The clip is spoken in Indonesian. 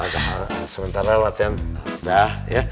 ya udah udah sementara latihan udah ya